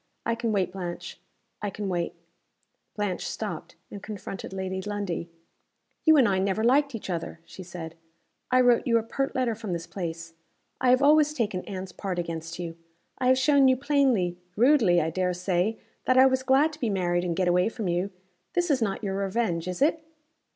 I can wait, Blanche I can wait!" Blanche stopped, and confronted Lady Lundie. "You and I never liked each other," she said. "I wrote you a pert letter from this place. I have always taken Anne's part against you. I have shown you plainly rudely, I dare say that I was glad to be married and get away from you. This is not your revenge, is it?"